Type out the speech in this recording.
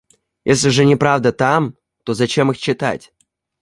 Если же неправда там, то зачем их читать?